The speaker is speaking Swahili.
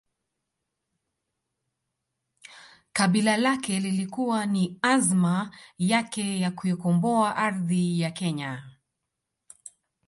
Kabila lake lilikuwa ni azma yake ya kuikomboa ardhi ya kenya